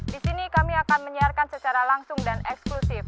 di sini kami akan menyiarkan secara langsung dan eksklusif